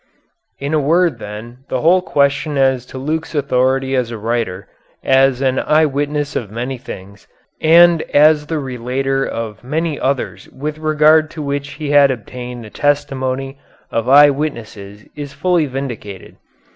In a word, then, the whole question as to Luke's authority as a writer, as an eye witness of many things, and as the relator of many others with regard to which he had obtained the testimony of eye witnesses is fully vindicated.